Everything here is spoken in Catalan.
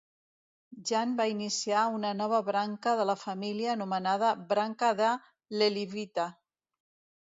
Jan va iniciar una nova branca de la família, anomenada "branca de Leliwita".